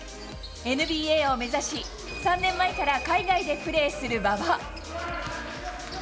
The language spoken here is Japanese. ＮＢＡを目指し、３年前から海外でプレーする馬場。